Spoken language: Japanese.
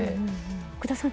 奥田さん